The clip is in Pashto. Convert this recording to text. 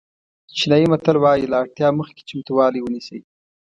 چینایي متل وایي له اړتیا مخکې چمتووالی ونیسئ.